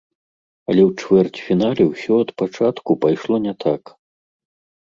Але ў чвэрцьфінале ўсё ад пачатку пайшло не так.